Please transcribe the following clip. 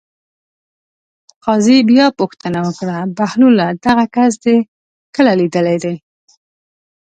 قاضي بیا پوښتنه وکړه: بهلوله دغه کس دې کله لیدلی دی.